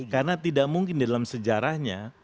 karena tidak mungkin dalam sejarahnya